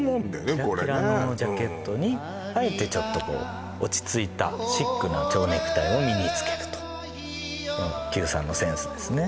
これねキラキラのジャケットにあえてちょっとこう落ち着いたシックな蝶ネクタイを身に着けると九さんのセンスですね